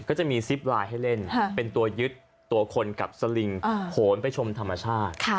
ก็จะมีซิบลายให้เล่นเป็นตัวยึดตัวคนกับซิลิงผลไปชมธรรมาชาติ